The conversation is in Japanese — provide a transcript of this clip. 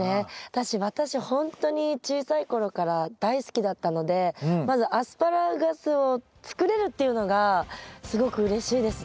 私ほんとに小さいころから大好きだったのでまずアスパラガスを作れるっていうのがすごくうれしいですね。